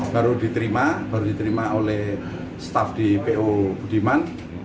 baru diterima baru diterima oleh staf di po budiman